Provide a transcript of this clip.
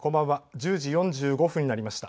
１０時４５分になりました。